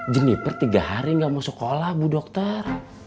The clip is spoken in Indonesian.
jeniper tiga hari gak mau sekolah bu dokter